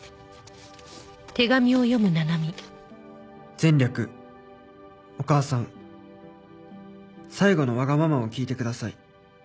「前略お母さん」「最後のわがままを聞いて下さい」